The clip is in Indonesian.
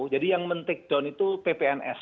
jadi yang men take down itu ppns